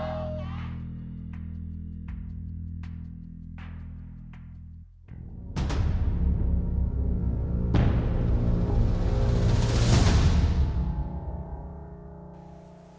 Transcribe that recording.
ถูก